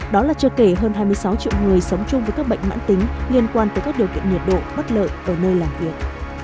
đó là chưa kể hơn hai mươi sáu triệu người sống chung với các bệnh mãn tính liên quan tới các điều kiện nhiệt độ bất lợi ở nơi làm việc